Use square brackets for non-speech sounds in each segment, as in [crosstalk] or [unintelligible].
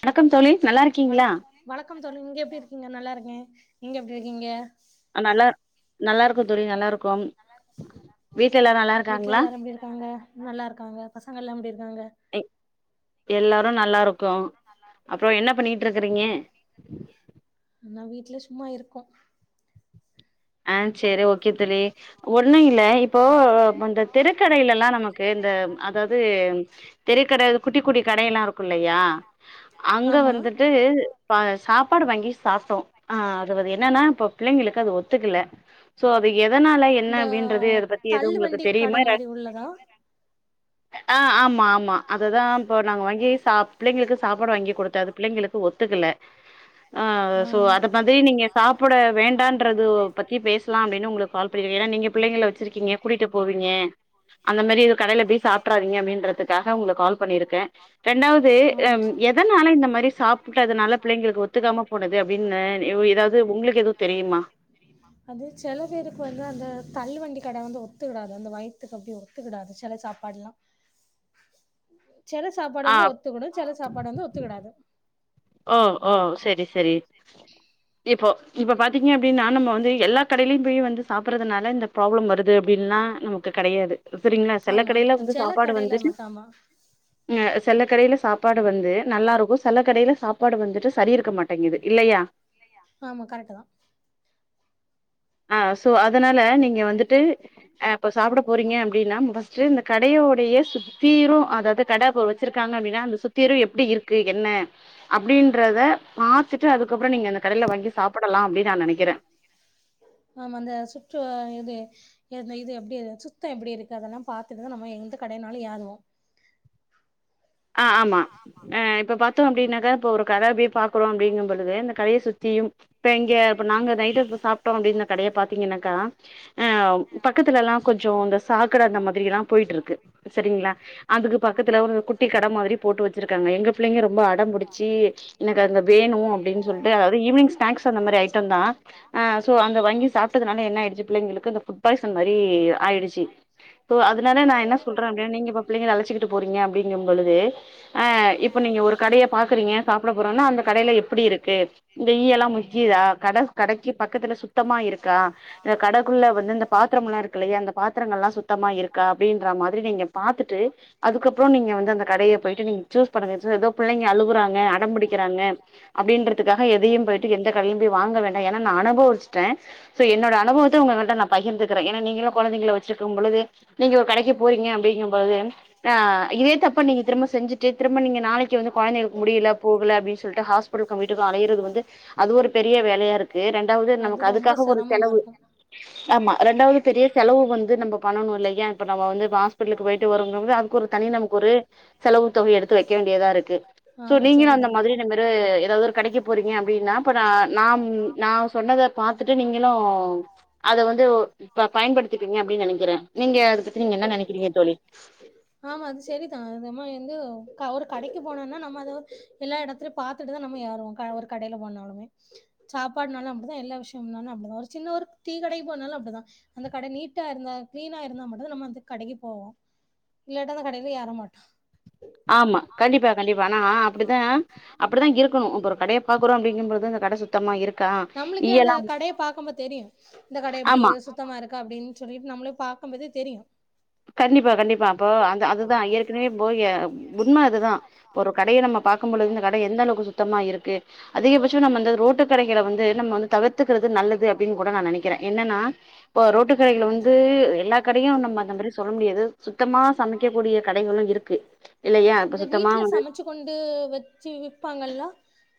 வணக்கம் தோலி நல்லா இருக்கீங்களா வணக்கம் தோழி நீங்க எப்டி இருக்கீங்க நல்லா இருக்கே நீங்க எப்டி இருக்கீங்க நல்லா நல்லா இருக்கு தோலி நல்லா இருக்கோம் [inaudible] வீட்ல எல்லாரு எப்டி இருக்காங்க நல்லா இருக்காங்க பசங்க எல்லா எப்டி இருக்காங்க எல்லாரு நல்லா இருக்கோ அப்புறோ என்ன பண்ணிட்டு இருக்கிறிங்க நா வீட்ல சும்மா இருக்கோ ஆ செரி ஓகே தோலி ஒண்ணு இல்ல இப்போ இந்த தெருக்கடையிலெல்லா நமக்கு இந்த அதாது தெருக்கடை குட்டி குட்டி கடை எல்லா இருக்கு இல்லையா அங்க வந்துட்டு சாப்பாடு வாங்கி சாப்பிட்டோ ஆ அது வது என்னன்னா இப்போ பிள்ளைங்களுக்கு அது ஒத் இல்ல சோ அது எதனால என்ன அப்டின்றது தள்ளு வண்டி கட மாரி உள்ளதா ஆ ஆமா ஆமா அத தா இப்போ நாங்க வாங்கி பிள்ளைங்களுக்கு சாப்பாடு வாங்கி கொடுத்த அது பிள்ளைங்களுக்கு ஒத்துக்கல ஆ சோ அத மாதிரி நீங்க சாப்புட வேண்டான்றது பத்தி பேசலா அப்டின்னு உங்களுக்கு கால் பண்ணின ஏன்னா நீங்க பிள்ளைங்கள வெச்சிருக்கீங்க கூட்டிட்டு போவீங்க அந்த மாரி கடையில போய் சாப்ட்றாதீங்க அப்டின்றதுக்காக உங்கள கால் பண்ணியிருக்கே ரெண்டாவது ஆ எதனால இந்த மாரி சாப்ட்டதனால பிள்ளைங்களுக்கு ஒத்துக்காம போனது அப்டின்னு எதாது உங்களுக்கு எது தெரியுமா அது செல பேருக்கு வந்து அந்த தள்ளு வண்டி கடை வந்து ஒத்துகிடாது அந்த வய் வயித்துக்கு அப்டி ஒத்துக்கிடாது சில சாப்பாடுல்லா செல சாப்பாடு வந்து ஒத்துக்கிடு செல சாப்பாடு வந்து ஒத்துக்கிடாது ஓ ஓ செரி செரி இப்போ இப்போ பாத்தி பாத்திங்க அப்டின்னா நம்ம வந்து எல்லா கடையில போயி வந்து சாப்புற்றதுனாலே இந்த ப்ராப்ளம் வருது அப்டின்லா நமக்கு கெடையாது செரிங்களா செல கடையில வந்து சாப்பாடு வந்துட்டு செல கடையில சாப்பாடு வந்து நல்லா இருக்கு செல கடையில சாப் வந்துட்டு சரி இருக்க மாட்டேங்குது இல்லையா ஆஹ் ஸோ அதனால நீங்க வந்துட்டு ஆஹ் இப்ப சாப்பிட போறீங்க அப்டின்னா ஃபர்ஸ்ட்டு இந்த கடையோடைய சுத்திரு அதாவது கடை இப்ப வச்சிருக்காங்க அப்டின்னா அத சுத்திரு எப்டி இருக்கு என்ன அப்டின்றத பாத்துட்டு அதுக்கப்புறோ நீங்க அந்த கடையில வாங்கி சாப்பிடலா அப்டின்னு நா நெனைக்கிறே ஆமா அந்த சுற்று இது இது எப்படி சுத்தம் எப்படி இருக்கு அதெல்லாம் பாரத்துட்டுதான் நம்ப எந்த கடையினாலும் ஏருவோம் ஆஹ் ஆமா ஆஹ் இப்ப பாத்தோம் அப்படின்னாக்கா இப்ப ஒரு கட அப் க்குறோ அப்டிங்கும் பொழுது அந்த கடைய சுத்தியும் இப்ப இங்க இப்ப நாங்க நைட்டு இப்ப சாப்ட்டோ அப்டின்ன கடய பாத்தீங்கனாக்கா ஆ பக்கத்துலலா கொஞ்ச அந்த சாக்கட அந்த மாதிரிலா போயிட்டுருக்கு சரிங்ளா அதுக்கு பக்கத்துல ஒரு குட் ட்டி கடை மாதிரி போட்டு வச்சிருக்காங்க எங்க பிள்ளைங்க ரொம்ப அடம்புடிச்சு எனக்கு அந்த வேணு அப்டினு சொல்ட்டு அதாவது ஈவினிங் ஸ்நாக்ஸ் அந்த மாரி ஐட்டம்தா ஆ சோ அந்த வாங்கி சாப்ட்டதுனால என்ன ஆயிடுச்சு பிள்ளைங்களுக்கு அந்த ஃபுட் பாய்சன் மாரி ஆயிடுச்சு சோ அதனால நா என்ன சொல்றே அப்டினா நீங்க இப்ப பிள்ளைங்கள அழைச்சுக்கிட்டு போறீங்க அப்டி ங்க உங்களுது அஹ் இப்ப நீங்க ஒரு கடைய பாக்கறீங்க சாப்பட போறன்னா அந்த கடையில எப்டி இருக்கு இந்த ஈயல்லா மொக்கிதா கட கடைக்கு பக்கத்துல சுத்தமா இருக்கா இந்த கடைக்குள்ள வந்து இந்த பாத்திரம் எல்லாம் இருக்குல்லயா அந்த பாத்திரங்கள்லா சுத்தமா இருக்கா அப்டின்ற மாதிரி நீங்க பாத்துட்டு அதுக்கப்புறோ நீங் நீங்க வந்து அந்த கடைய போயிட்டு நீங்க சூஸ் பண்ற நேரத்துல ஏதோ பிள்ளைங்க அழுவறாங்க அடம்பிடிக்கறாங் அப்படின்றதுக்காக எதையும் போயிட்டு எந்த கடையையும் போய் வாங்க வேண்டாம் ஏன்னா நா அனுபவிச்டேன் சோ என்னோட அனுபவத்தை உங்ககிட்ட நான் பகிர்ந்துக்கிறேன் ஏன நீங்களும் குழந்தைங்களா வச்சிருக்கும் பொழுது நீங்க ஒரு கடைக்கு போறீங்க அப்படிங்கும் பொழுது அ ஹ் இதே தப்ப நீங்க திரும்ப செஞ்சுட்டு திரும்ப நீங்க நாளைக்கு வந்து குழந்தைகளுக்கு முடியலப்போ ல்ல அப்டினு சொல்லிட்டு ஹாஸ்பிடல்கு வீட்டுக்கு அழையுரது வந்து அது ஒரு பெரிய வேலையாருக்கு ரெண்டாவது நமக்கு அதுக்காக ஒரு செலவு ஆமா ரெண்டாவது பெரிய செலவு வந்து நம்ப பண்ணனும் இல்லையா இப்ப நம்ப வந்து ஹாஸ்பிடல்கு போய்ட்டு வரும்போது அதுக்கொரு தனி நாம ஒரு செலவு தொகைய எடுத்து வைக்க வேண்டியதா இருக்கு சோ நீங்க அந்த ம [unintelligible] இது மார ஏதாவது ஒரு கடைக்கு போறீங்க அப்டின்னா அப்ப நா நாம் நான் சொன்னத பாத்துட்டு நீங்களு அத வந்து ப பயன்படுத்திப்பீங்க அப்டின்னு நெனைக்கிறேன் நீங்க அத பத்தி நீங்க என்ன நெனைக்கிறீங்க தோழி அத மாதிரி வந்து ஒரு கடைக்கு போனோம்னா நம்ம அத எல்லா இடத்துலயையும் பார்த்துட்டு தான் நம்ம எருவோ ஒரு கடைல போனாலுமே சாப்பாடுனாலு அப்டிதா எல்லா விஷயம்னாலு அப்டிதா ஒரு சின்ன ஒரு டீக்கடைக்கு போனாலு அப்டிதா அந்த கடை நீட்டா இருந்தா கிளீனா இருந்தா மட்டும்தா நம்ம அந்த கடைக்கு போவோ இல்லாட்டா அந்த கடையில ஏற மாட்டோ ஆமா கண்டிப்பா கண்டிப்பா ஆனா அப்படித்தான் அப்படித்தான் இருக்கணும் இப்ப ஒரு கடையை பாக்குறோம் அப்படின்னு ன்றது இந்த கடை சுத்தம் நம்மளுக்கு அந்த கடைய பாக்கும்போதே தெரியு இந்த கடை எப்டி சுத்தமா இருக்கா அப்டின்னு சொல்லிட்டு நம்மளே பா நமது தெரியும் கண்டிப்பா கண்டிப்பா அப்போ அந்த அதுதான் ஏற்கனவே போய் உண்மை அதுதான் இப்ப ஒரு கடையை நம்ப பார்க்கும்பொழுது இந்த கடை எந்த அளவுக்கு சுத்தமா இருக்கு அதிகபட்சம் நம்ப இந்த ரோட்டு கடை வந்து நம்ம வந்து தவிர்த்துக்கிறது நல்லது அப்படின்னு கூட ந நினைக்கிறேன் என்னன்னா ரோட்டு கடை வந்து எல்லா கடையும் நம்ப அந்த மாரி இந்த வீட்டுல சமைச்சு கொண்டு வச்சு விற்பாங்கல்லா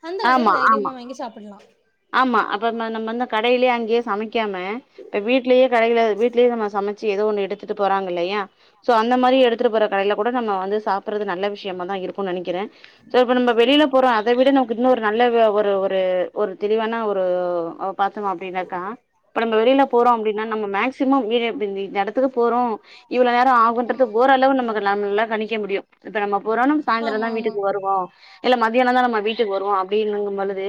அந்த கடையில தைரியமா வாங்கி சாப்பிடலாம் ஆமா அப்பற நா நம்ம வந்து கடையிலேயே அங்கேயே சமைக்காம இப்ப வீட்டிலேயே கடயில வீட்டுலே நா ச சமைச்சு ஏதோ ஒண்ணு எடுத்துட்டு போறாங்க இல்லயா சோ அந்த மாரி எடுத்துட்டு போற கடயில கூட நம்ம வந்து சாப்பறது நல்ல விஷயமா தான் இருக்கும்னு நினைக்கிறேன் சோ இப்போ நம்ம வெளியில போறோம் அதை விட நமக்கு இன்னும் ஒரு நல்ல ஒரு ஒரு ஒரு பாத்துப்போம் அப்டினாக்கா நம்ம வெளியில போறோம் அப்டின்னா நம்ம மேக்ஸிமம் இந்த இடத்துக்குபோறோம் இவ்வளவு நேரம் ஆகும் ஓர் அளவு நம நம்மல்லா கணிக்க முடியும் இப்ப நம்ம போறது சாயந்திரம் தான் வீட்டுக்கு வருவோம் இல்ல மத்தியானம் தான் நம்ம வீட்டுக்கு வருவோம் அப்டிங்கிறது பொழுது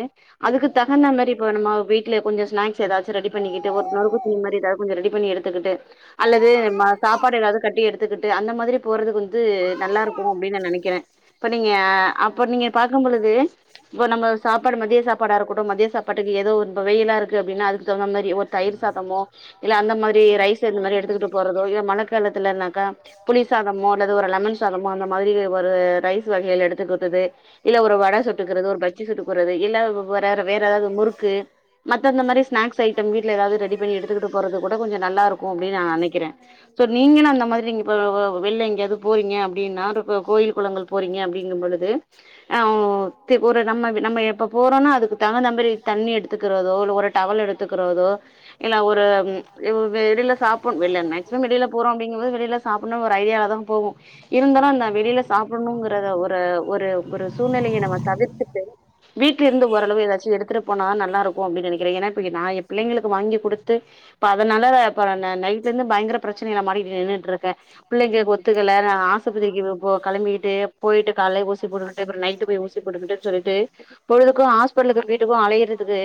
அதுக்கு தகுந்த மாரி இப்ப நம்ம வீட்ல கொஞ்சம் ஸ்னாக்ஸ் ஏதாச்சும் ரெடி பண்ணிக்கிட்டு ஒரு நாள் நிம்மதியா ரெடி பண்ணி எடுத்துக்கிட்டு அல்லது சாப்பாடு ஏதாவது கட்டி எத்துக்கிட்டு அந்த மாரி போறது வந்து நல்லா இருக்கும் நா நினைக்கிறேன் இப்ப நீங்க அப்ப நீங்க பாக்கும்பொழுது இப்ப நம்ம சாப்பாடு மதிய சாப்பாட இருக்கட்டு கூட மதிய சாப்பாட்டுக்கு ஏதோ ஒரு துவையலா இருக்கு அப்டின்னா அதுக்கு தகுந்த மாரி ஒரு தயிர் சாதமோ இல்ல அந்த மாரி ரைஸ் அந்த மாரி எடுத்துகிட்டு போறதோ இல்ல மழ காலத்துல புளி சாதமோ அல்லது ஒரு லெமன் சாதமோ அந்த மாரி ஒரு ரைஸ் வகையில் எடுத்துக்கது இல்ல ஒரு வட சுட்டுக்கிறது ஒரு பச்சி சுட்டுக்குறது இல்ல வேற ஏதாவது முறுக்கு மத்த இந்த மாரி ஸ்நாக்ஸ் ஜட்டம் வீட்ல எதாவது ரெடி பண்ணி எடுத்துக்கிட்டு போறது கூட கொஞ்சம் நல்லா இருக்கும் அப்படினு நா நினைக்கிறேன் சோ நீங்க அந்த மாரி வெளில எங்கையாவது போறீங்கன்னா அப்டின்னா கோயில் குளங்கள் போறீங்க அப்டிங்கும்பொழுது நம்ம நம்ம எப்ப போறோம்னா அதுக்கு தகுந்த மாரி தண்ணி எடுத்துக்கிறோ ஒரு டவல் எடுத்துக்கிறதோ இல்ல ஒரு வெளியில சாப்படனும் மேக்சிமம் வெளியில்போறோம் அப்டி வெளிய சாப்படனு ஒரு ஐடியாவுலதான் போவோம் இருந்தாலும் அந்த வெளியல சாப்படனு கிற ஒரு ஒரு ஒரு சூழ்நிலைய நாம தவிர்த்து விட்டு வீட்டில இருந்து எதாச்சி எடுத்துட போனா நல்லா இருக்கும் அப்டி நினைகிறேன் ஏனா நான என் புள்ளைங்களுக்கு வாங்கி கொடுத்து இப்ப அதனால நைட்ல இருந்து பயங்கர பிரச்சனையில மாட்டிகிட்டு நின்னுகிட்டு இருக்கேன் புள்ளைக்கு ஒத்துக்கள ஆஸ்பத்திரிக்கு கிளம்பிட்டு பொய்ட்டு காலைல ஊசி போட்டுகிட்டு நைட்டு போய் ஊசி போட்டுகிட்டு சொல்லிட்டு பொழுது ஹஸ்பிடலுக்கு வீட்டுக்கு அலையறதுக்கு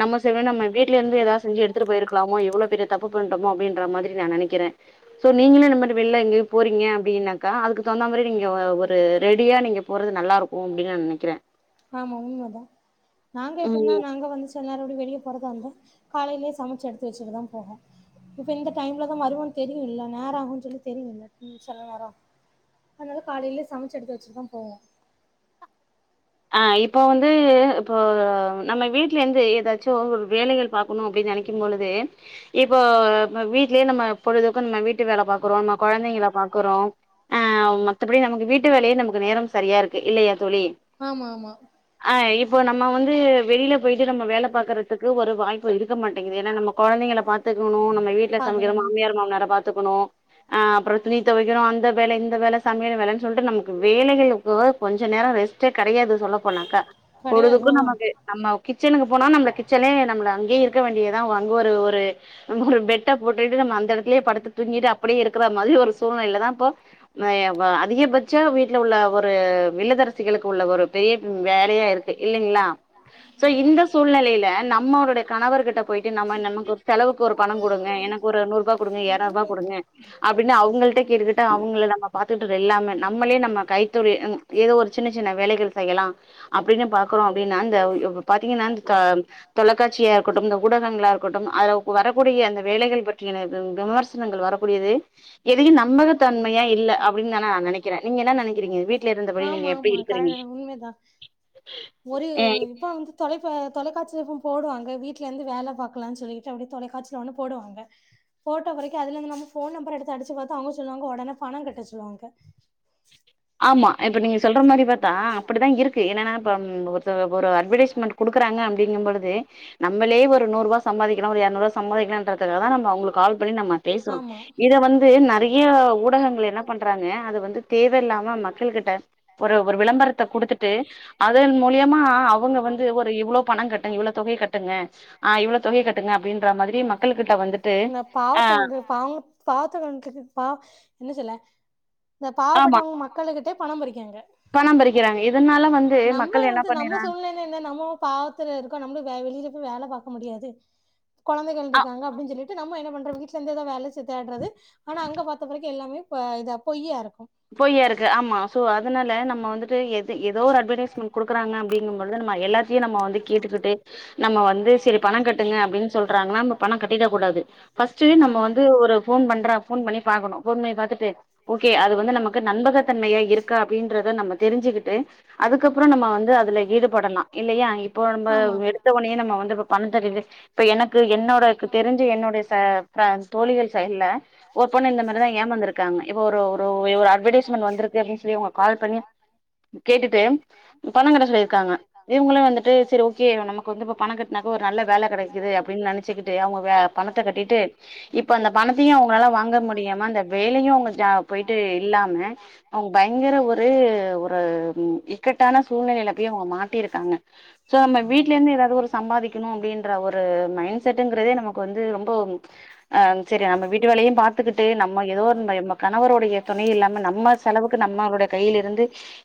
நம்ம செவனேனு நம்ம வீட்லேயிருந்து செஞ்சி எடுத்து கிட்டு போயிருக்கலாமோ பெரிய தப்பு பன்னிட்டோமோ அப்டின்ற மாரி நான நினைக்கிறேன் சோ நீங்களும் இந்த மாரி வெளிய எங்கயாவது போறீங்க அப்டினாக்க அதுக்கு தகுந்த மாரி நீ ஒரு ரெடி அப்டியா நீங்க போறது நல்லா இருக்கும் அப்டின்னு நான நினைக்கிறேன் நாங்க எப்டின்னா நாங்க வந்து சில நேரம் எப்டி வெளிய போறதா இருந்தா காலையிலேயே சமைச்சு எடுத்து வச்சுட்டுதான் போவோம் இப்ப இந்த டைம்லதான் வருவோனு தெரியும் இல்ல நேரம் ஆகன்னு தெரியுல்ல சில நேரம் அதனால காலையிலேயே சமைச்சு எடுத்து வச்சுட்டுதான் போ போ ஆ இப்போ வந்து இப்போ நம்ம வீட்ல இருந்து ஏதாச்சும் வேலகள் பாக்கணும் அப்டின்னு நினைக்கும்பொழுது இப்போ வீட்லய நம்ம பொழுதுக்கு நம்ம வீட்டு வேல பாக்குறோம் நம்ம கொழந்தைங்கள பாக்குறோம் ஆ மத்தபடி நமக்கு வீட்டு வேலயே நமக்கு நேரம் சரியா இருக்கு இல்லயா தோழி அ இப்போ நம்ம வந்து வெளியில போயிற நம்ம வேல பாக்கறதுக்கு ஒரு வாய்ப்பு இருக்க மாட்டேங்கது ஏனா நம்ம கொழந்தைகள பா த்துகணும் நம்ம வீட்ல சமைக்கிற மாமியார் மாமனார பாத்துக் க்கணும் அப்பறம் துணி துவைக்கணும் அந்த வேல இந்த வேல சமையல் வேல சொல்லிட்டு நமக்கு வேலகளுக்கு கொஞ்சம் நேரம் ரெஸ்ட் கிடையாது சொல்ல போனாக்கா பொழுதுக்கும் நமக்கு நம்ம கிச்சனுக்கு போனா நம்ம கிச்சன்லயே நம்ம அங்கே இருக்க வேண்டியதுதான் அங்க ஒரு ஒரு ஒரு பெட்ட போட்டுட்டு நம்ம அந்த இடத்துலயே படுத்து தூங்கிட்டு அப்டியே இருக்கிற மாரி ஒரு சூழ்நிலையில தான் இப்போ அதிகபட்சம் வீட்டுல உள்ள ஒரு இல்லதரசிகளுக்கு உள்ள ஒரு பெரிய வேலயா இருக்கு இல்லங்களா சோ இந்த சூழ்நிலையில நம்மளுடைய கணவர்கிட்ட போயிட்டு நம்ம நமக்கு ஒரு செலவுக்கு ஒரு பணம் கொடுங்க எனக்கு ஒரு நூறு ரூபாய் கொடுங்க இரநூறு ரூபாய் கொடுங்க அப்டின்னு அவங்கள்ட கிட்டதட்ட அவங்கள நம்ம பாத்து எல்லாமே நம்மளே நம்ம கைத்தொழில் ஏதோ ஒரு சின்ன வேலகள் செய்யலாம் அப்டின்னு பாக்கறோம் அப்டின்னா தொலைக்காட்சியா இருக்கட்டும் ஊடகங்களா இருக்கட்டும் வரக்கூடிய அந்த வேலகள் பற்றிய விமர்சனங்கள் வரக்கூடியது எதையும் நம்பக தன்மையா இல்ல அப்டின்னு நான நினைக்கேறேன் நீங்க என்ன நினைக்கீறீளாங்க வீட்ல இருந்தபடி நீங்க கரெக் உண்மதான் ஒரு இப்ப வந்து தொலை இப்ப தொலைக்காட்சி போடுவாங்க வீட்டுல இருந்து வேல பாக்கலாம்னு சொல்லிட்டு அப்டியே தொலைக்காட்சியில ஒன்னு போடுவாங்க போட்ட வரைக்கும் அதுல இருந்து நம்மபோன் நம்பர் எடுத்து அடிச்சு பாத்தா அவங்க சொல்லுவாங்க உடனே பணம் கட்ட சொல்லுவாங்க [inaudible] ஆமா இப்ப நீங்க சொல்ற மாரி பாத்தா அப்டித்தான் இருக்கு என்னன்னா ஒரு அட்வர்டைஸ் பேமன்ட் குடுக்குறாங்க அப்படிங்கும்பொழுது நம்மளே ஒரு நூறு ரூபா சம்பாதிக்கனும் இருநூறு ரூபா சம்பாதிக்கனும் அப்டி ங்கிறதால தான் கால் பண்ணி நம்ம பேசுறோம் இத வந்து நிறைய ஊடகங்கள் என்ன பண்றாங்க அது வந்து தே இல்லாம மக்கள் கிட்ட ஒரு ஒரு விளம்பரத்த கொடுத்துட்டு அதன் மூலியமா அவ அவங்க வந்து ஒரு இவ்ளோ பணம் கட்டுங்க இவ்வளவு தொகையா கட்டுங்க ஆஹ் இவ்வளவு தொகையா கட்டுங்க அப்படின்ற மாரி மக்கள் கிட்ட வந்துட்டு அஹ் ஆமா பணம் பறிக்கிறாங்க இதனால வந்து மக்கள் என்ன பண்ணிறா இந்த நம்மும் பாவத்துல இருக்கோம் நம்ளும் வெளியில போய வேலை பார்க்க முடியாது கொழந்தைகள் இருக்காங்க அப்டின்னு சொல்லிட்டு நம்ப என்ன பண்ற வீட்டுல இருந்தே எதா வேலை தேடுறது ஆனா அங்க பார்த்த பிறக்கும் எல்லாமே இப்ப இதா பொய்யா இருக்க பொய்யா இருக்கு ஆமா சோ அதனால நம்ப வந்துட்டு ஏதோ ஒரு அடவரைஸ்மெ் கொடுறாங்க ங்கும்பது நம் எல்லா வந்து கேட்டுட்டு நம்ம வந்து செரி பணம் கங்க அப்டனு சொல்றங்க பணம் கட்டிடா கூடாது ஃபர்ஸ்ட் நம்ம வந்து ஒரு போன்ற போன் பண்ணி பாத்துட்டு வாங்கலாம் ஓகே அது வந்து க்கு நண்பகத்தன்மையா இருக்க அப்படின்றத நம்ப தெரிஞ்சுக்கிட்டு அதுக்கப்பறம் நம்ப வந்து அதுலா ஈடுபடலாம் இல்லையா இப்போ நம்ப எடுத்தவனே நம்ப வந்து பண்ண தெரிய இப்ப எனக்கு என்னோட தெரிஜா வந்து எ ன்னோடைய தோழிகள் சைடுல ஒரு பொண்ணு இந்த மாரிதான் ஏமாந்துருக்காங்க இப்ப ஒரு ஓரு அட்வெர்டிஸ்ட்மென்ட் வந்துயிருக்கு அப்படின்னு சொல்லி கால் பண்ணி கேட்டுட்டு பணம் கட்ட சொல்லியிருக்காங் வந்து செரி ஓகே நமக்கு வந்து பணம் கட்னா ஒரு நல்ல வேல கெடைக்குது அப்டின்னு நினைச்சுட்டு அவங்க பணத்த கட்டிட்டு இப்ப அந்த பணத்தையும் அவங்களால வாங்க முடியமா அந்த வேலயும் அவங்க போயிட்டு இல்லாம அவங்க பயங்கர ஒரு ஒரு இக்கட்டான சூழ்நிலையில போய் அவங்க மாட்டிருக்காங்க நம்ம வீட்ல இருந்து ஏதாவது ஒரு சம்பாதிக்கணும் அப்படின்ற ஒரு மைண்ட் செட் என்கிறது நமக்கு வந்து ரொம்ப சரி நம்ம வீட்டு வேலையும் பாத்துக்கிட்டு நம்ம ஏதோ ஒரு கணவருடைய துணை இல்லாம செலவுக்கு நம்ம கையில இருந்து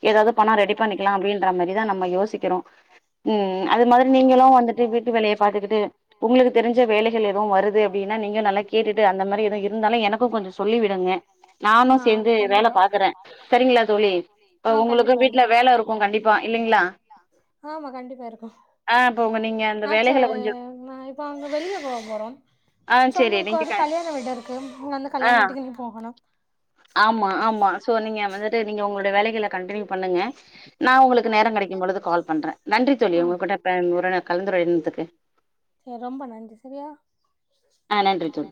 ஏதாவது பணம் ரெடி பண்ணிக்கலாம் என்ற மாதிரிதான் நம்ம யோசிக்கிறோம் உஹம் அது மாதிரி நீங்களும் வந்துட்டு வீட்டு வேலையை பாத்துக்கிட்டு உங்களுக்கு தெரிஞ்ச வேலைகள் எதுவும் வருது அப்படின்னா நீங்க நல்லா கேட்டுட்டு அந்த மாதிரி எதவும் இருந்தாலும் எனக்கும் கொஞ்சம் சொல்லி விடுங்க நானும் சேர்ந்து வேலை பாக்குறேன் செரிங்களா தோழி உங்களுக்கு வீட்டுல வேலை இருக்கும் கண்டிப்பா இல்லைங்களா ஆமா கண்டிப்பா இருக்கும் ஆ ச இப்ப அங்க வெளிய போக போறோம் சன்னக்கு வந்து கல்யாண வீட்ட இருக்கு அங்க வந்து கல்யாண வீட்டுக்கு இன்ன போகணும் ஆமா ஆமா சோ நீங்க வந்துட்டு நீங்க உங்களுடைய வேலைகளை கண்டினியூ பண்ணுங்க நான் உங்களுக்கு நேரம் கிடைக்கும் பொழுது கால் பண்றேன் நன்றி தோழி உங்க குட கலந்துரையனதுக்கு ஆஹ் நன்றிதோழி